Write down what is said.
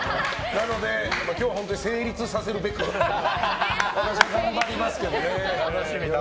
なので、今日は本当に成立させるべく私は頑張りますけどね。